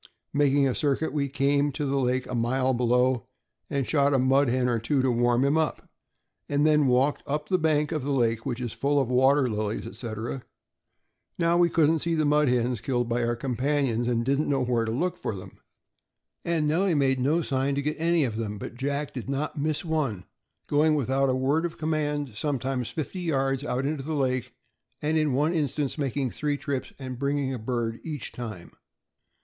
Making a circuit, we came to the lake a mile below, and shot a mud hen or two to warm him up, and then walked up the bank of the lake, which is full of water lilies, etc. Now we couldn't see the mud hens killed by our companions, and didn't know where to look for them, and Nellie made no sign to get any of them; but Jack did not miss one, going without a word of command sometimes fifty yards out into the lake, and in one instance making three trips, and bring ing a bird each time.